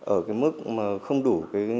ở mức không đủ